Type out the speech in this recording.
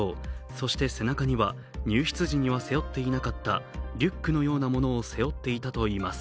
そして背中には入室時には背負っていなかったリュックのようなものを背負っていたといいます。